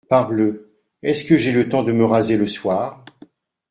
Parbleu ! est-ce que j’ai le temps de me raser le soir ?